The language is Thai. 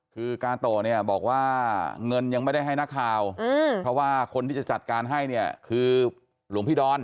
คือกาโตเนี่ยบอกว่าเงินยังไม่ได้ให้นักข่าวเพราะว่าคนที่จะจัดการให้เนี่ยคือหลวงพี่ดอน